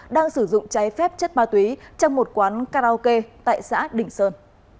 đang sử dụng trái phép chất ma túy trong một quán karaoke tại xã đình sơn